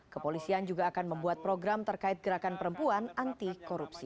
kepolisian juga akan membuat program terkait gerakan perempuan anti korupsi